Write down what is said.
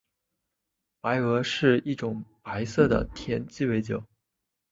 白俄是一种白色的甜鸡尾酒。